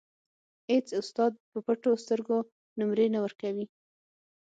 اېڅ استاد په پټو سترګو نومرې نه ورکوي.